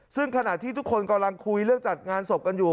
ซึ่งขณะที่ทุกคนกำลังคุยเรื่องจัดงานศพกันอยู่